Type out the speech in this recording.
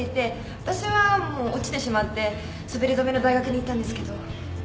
私はもう落ちてしまって滑り止めの大学に行ったんですけど。